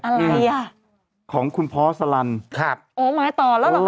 อะไรอ่ะของคุณพอสลันครับโอ้หมายต่อแล้วเหรอคะ